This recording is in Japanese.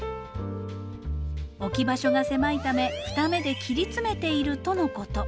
置き場所が狭いため２芽で切り詰めているとのこと。